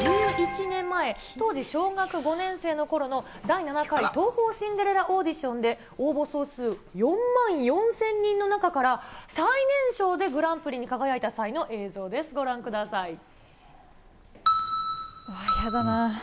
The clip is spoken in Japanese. １１年前、当時小学５年生のころの第７回東宝シンデレラオーディションで、応募総数４万４０００人の中から、最年少でグランプリに輝いた際のやだなー。